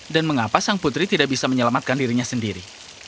dan mengapa sang putri tidak bisa menyelamatkan dirinya sendiri